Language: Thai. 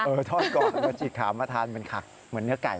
เออทอดก่อนฉีกขามาทานเป็นขักเหมือนเนื้อไก่